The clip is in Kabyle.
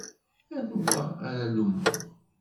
Anwa ara lummeɣ?